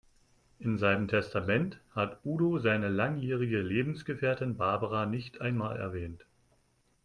In seinem Testament hat Udo seine langjährige Lebensgefährtin Barbara nicht einmal erwähnt.